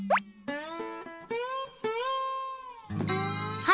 うん。